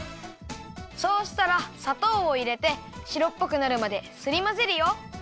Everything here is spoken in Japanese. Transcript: そうしたらさとうをいれてしろっぽくなるまですりまぜるよ。